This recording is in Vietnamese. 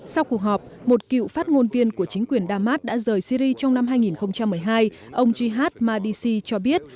sau cuộc họp một cựu phát ngôn viên của chính quyền đa mát đã rời syri trong năm hai nghìn một mươi hai ông jihad mahdisi cho biết